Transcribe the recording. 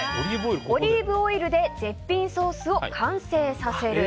オリーブオイルで絶品ソースを完成させる。